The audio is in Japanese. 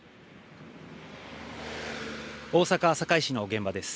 大阪堺市の現場です。